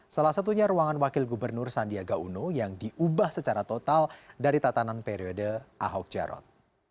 salah satunya ruangan wakil gubernur sandiaga uno yang diubah secara total dari tatanan periode ahok jarot